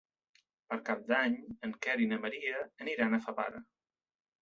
Per Cap d'Any en Quer i na Maria aniran a Favara.